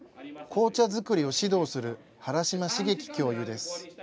紅茶作りを指導する原嶌茂樹教諭です。